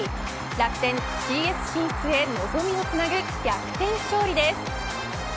楽天、ＣＳ進出へ望みをつなぐ逆転勝利です。